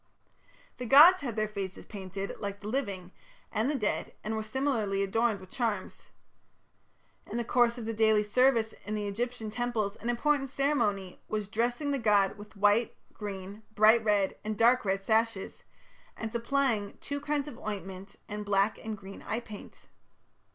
The gods had their faces painted like the living and the dead and were similarly adorned with charms. In the course of the daily service in the Egyptian temples an important ceremony was "dressing the god with white, green, bright red, and dark red sashes, and supplying two kinds of ointment and black and green eye paint".